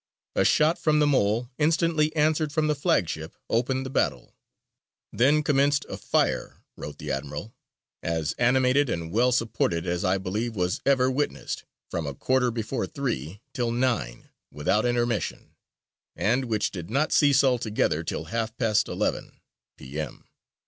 A shot from the Mole, instantly answered from the flagship, opened the battle. "Then commenced a fire," wrote the admiral, "as animated and well supported as I believe was ever witnessed, from a quarter before three till nine, without intermission, and which did not cease altogether till half past eleven [P.M.